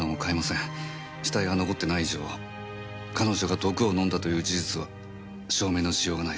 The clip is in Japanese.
死体が残ってない以上彼女が毒を飲んだという事実は証明のしようがない。